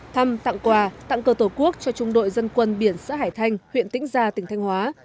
thăm tặng quà tặng cơ tổ quốc cho trung đội dân quân biển xã hải thanh huyện tĩnh gia tỉnh thanh hóa